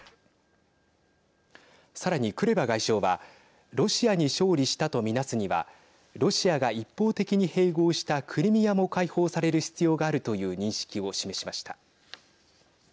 さらに、クレバ外相はロシアに勝利したと見なすにはロシアが一方的に併合したクリミアも解放される必要があるという認識を示しました。